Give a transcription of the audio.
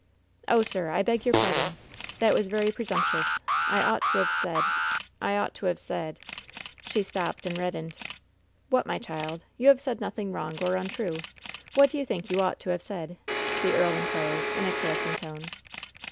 Oh, sir! I beg your pardon! that was very pre sumptuous! I ought to have said — ^I ought to have said ^^ She stopped and reddened. *^What, my child? You have said nothing wrong or untrue. What do you think you ought to have said?'' the earl inquired, in a caressing tone.